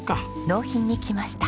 納品に来ました。